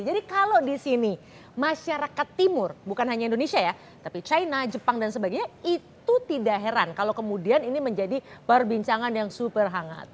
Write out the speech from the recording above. jadi kalau di sini masyarakat timur bukan hanya indonesia ya tapi china jepang dan sebagainya itu tidak heran kalau kemudian ini menjadi perbincangan yang super hangat